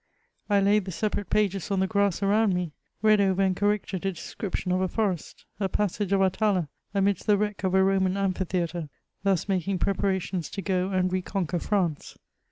I laid the separate pag^s on the grass around me — read over and corrected a description of a forest — a passage of Atala^ amidst the wreck of a Roman amphitheatre, thus making pre parations to go and re conquer France.